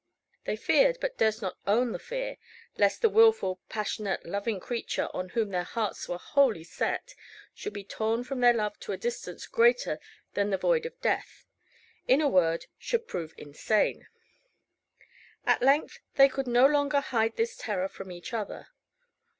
They feared, but durst not own the fear, lest the wilful, passionate, loving creature, on whom their hearts were wholly set, should be torn from their love to a distance greater than the void of death; in a word, should prove insane. At length they could no longer hide this terror from each other.